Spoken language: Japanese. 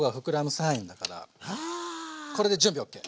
これで準備ＯＫ。